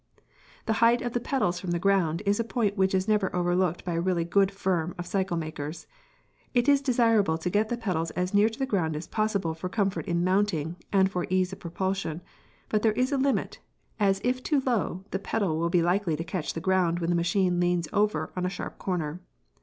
p> The height of the pedals from the ground is a point which is never overlooked by a really good firm of cycle makers. It is desirable to get the pedals as near to the ground as possible for comfort in mounting and for ease of propulsion; but there is a limit, as if too low, the pedal would be likely to catch the ground when the machine leans over on a sharp corner.